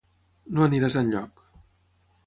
No aniràs enlloc.